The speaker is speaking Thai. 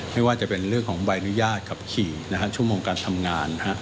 ไม่ว่าจะเป็นเรื่องของใบอนุญาตขับขี่ชั่วโมงการทำงาน